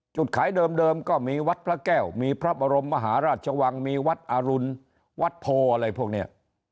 จุดขายเดิมก็มีวัดพระแก้วมีพระบรมมหาราชวังมีวัดอรุณวัดโพอะไรพวกนี้